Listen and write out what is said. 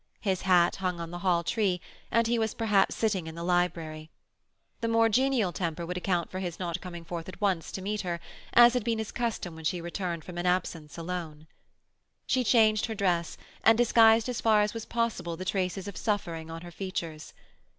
His hat hung on the hall tree, and he was perhaps sitting in the library; the more genial temper would account for his not coming forth at once to meet her, as had been his custom when she returned from an absence alone. She changed her dress, and disguised as far as was possible the traces of suffering on her features.